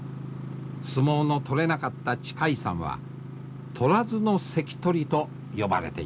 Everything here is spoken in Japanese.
相撲の取れなかった智海さんは「取らずの関取」と呼ばれています。